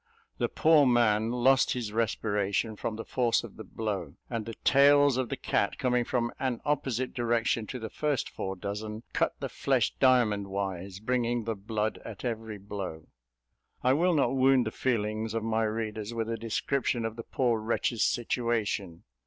The poor man lost his respiration from the force of the blow; and the tails of the cat coming from an opposite direction to the first four dozen, cut the flesh diamond wise, bringing the blood at every blow. I will not wound the feelings of my readers with a description of the poor wretch's situation.